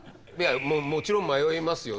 もちろん迷いますよ。